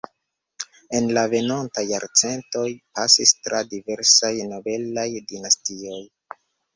En la venontaj jarcentoj pasis tra diversaj nobelaj dinastioj.